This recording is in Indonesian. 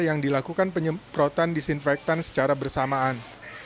yang dilakukan penyemprotan disinfektan secara bersamaan